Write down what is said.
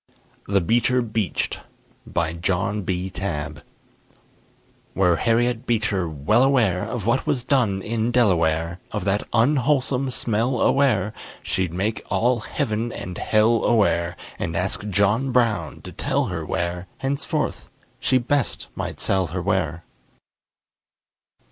THE BEECHER BEACHED BY JOHN B. TABB Were Harriet Beecher well aware Of what was done in Delaware, Of that unwholesome smell aware, She'd make all heaven and hell aware, And ask John Brown to tell her where Henceforth she best might sell her ware.